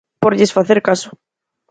Por lles facer caso.